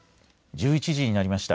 １１時になりました。